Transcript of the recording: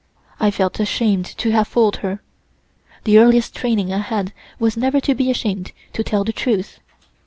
I felt ashamed to have fooled her. The earliest training I had was never to be ashamed to tell the truth.